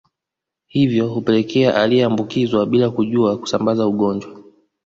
Hivyo hupelekea aliyeambukizwa bila kujua kusambaza ugonjwa